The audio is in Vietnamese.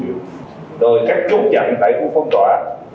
hỗ trợ cho người dân trong phong tỏa